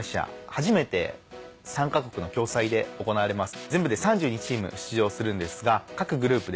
初めて３か国の共催で行われます。